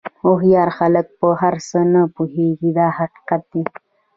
هوښیار خلک په هر څه نه پوهېږي دا حقیقت دی.